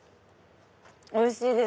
おいしいです！